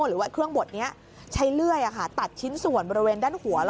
หรือว่าเครื่องบดนี้ใช้เลื่อยตัดชิ้นส่วนบริเวณด้านหัว